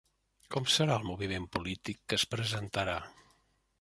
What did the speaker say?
Com serà el moviment polític que es presentarà?